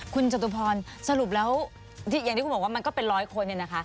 คุณจตุพรสรุปแล้วอย่างที่คุณบอกว่ามันก็เป็น๑๐๐คน